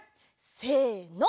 せの！